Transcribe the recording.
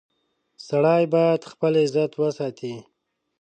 • سړی باید خپل عزت وساتي.